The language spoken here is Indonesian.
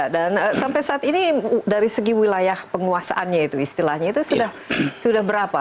dan sampai saat ini dari segi wilayah penguasaannya itu istilahnya itu sudah berapa